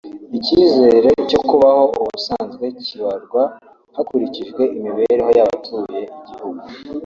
Icyizere cyo kubaho ubusanzwe kibarwa hakurikijwe imibereho y’abatuye igihugu